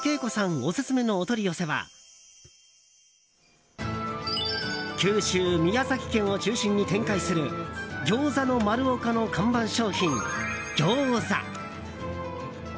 オススメのお取り寄せは九州・宮崎県を中心に展開するぎょうざの丸岡の看板商品ぎょうざ。